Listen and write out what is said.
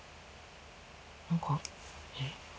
何かえっ？